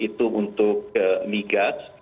itu untuk migas